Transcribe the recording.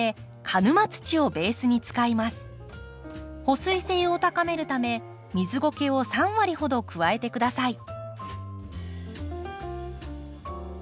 保水性を高めるため水ごけを３割ほど加えて下さい。